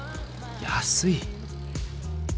安い。